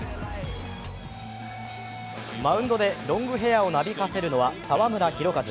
マウンドでロングヘアをなびかせるのは澤村拓一。